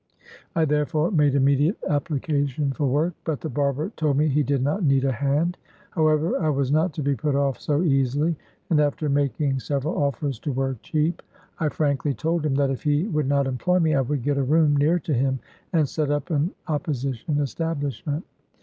I therefore made immediate appli cation for work, but the barber told me he did not need a hand. However, I was not to be put off so easily, and after making several offers to work cheap, I frankly told him that if he would not employ me, I would get a room near to him, and set up an opposition establish ment.